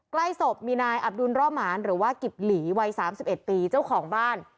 ใกล้ศพมีนายอับดุลร่อหมานหรือว่ากิบหลีวัย๓๑ปีเจ้าของบ้าน